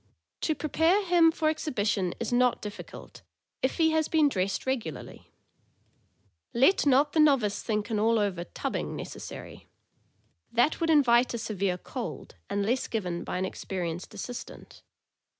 To prepare him for exhibition is not difficult, if he has been dressed regularly. Let not the novice think an all over " tubbing " necessary. That would invite a severe cold, unless given by an experi enced assistant.